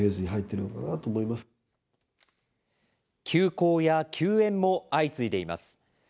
休校や休園も相次いでいます。